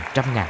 để tham gia